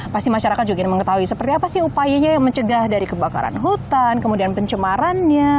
pasti masyarakat juga ingin mengetahui seperti apa sih upayanya yang mencegah dari kebakaran hutan kemudian pencemarannya